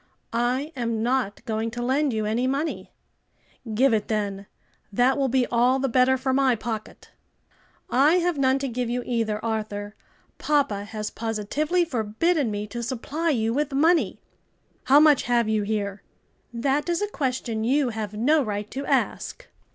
"I am not going to lend you any money." "Give it then; that will be all the better for my pocket. "I have none to give you either, Arthur; papa has positively forbidden me to supply you with money." "How much have you here?" "That is a question you have no right to ask."